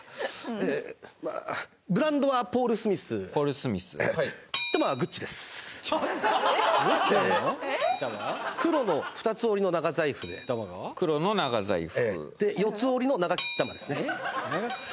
えまあブランドはポール・スミスポール・スミス○○玉はグッチです黒の二つ折りの長財布で黒の長財布で四つ折りの長○○玉ですね